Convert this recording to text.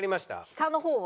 下の方は。